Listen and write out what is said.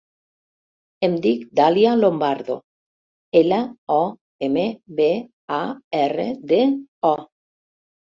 Em dic Dàlia Lombardo: ela, o, ema, be, a, erra, de, o.